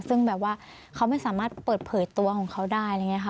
ซึ่งแบบว่าเขาไม่สามารถเปิดเผยตัวของเขาได้อะไรอย่างนี้ค่ะ